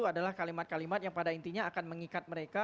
adalah kalimat kalimat yang pada intinya akan mengikat mereka